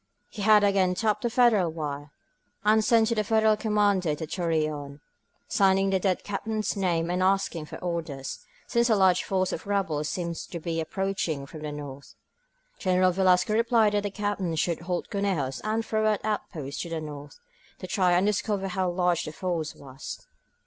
He had again tapped the Federal wire, and sent to the Federal commander in Torreon, signing the dead Captain's name and asking for orders, since a large force of rebels seemed to be approaching from the north. General Velasco replied that the Captain should hold Conejos and throw out outposts to the north, to try and discover how large the force was.